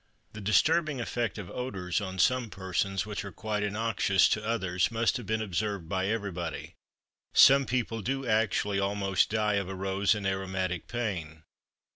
The disturbing effect of odors on some persons, which are quite innoxious to others, must have been observed by everybody. Some people do actually almost "die of a rose in aromatic pain."